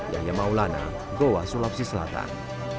yahya maulana goa sulawesi selatan